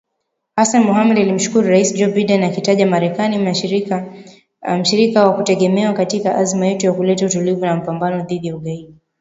Hassan Mohamud alimshukuru Rais Joe Biden akiitaja Marekani “mshirika wa kutegemewa katika azma yetu ya kuleta utulivu na mapambano dhidi ya ugaidi”